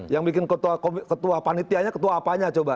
yang bikin ketua panitianya ketua apanya coba